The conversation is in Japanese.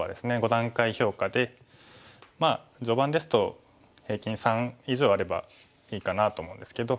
５段階評価で序盤ですと平均３以上あればいいかなと思うんですけど。